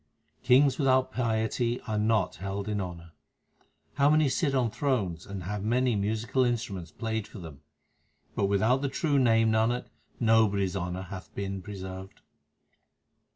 Kings without piety are not held in honour : How many sit on thrones and have many musical instru ments played for them ! But without the true Name, Nanak, nobody s honour hath been preserved.